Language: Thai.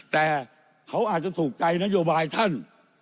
แต่เขาอาจจะถูกใจนโยบายท่าน